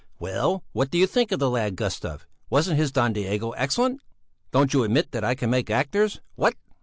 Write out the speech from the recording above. "Well, what do you think of the lad Gustav? Wasn't his Don Diego excellent? Don't you admit that I can make actors? What?"